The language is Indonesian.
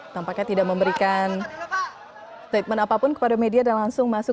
tampaknya tidak memberikan statement apapun kepada media dan langsung masuk